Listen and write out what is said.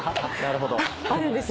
あるんですね。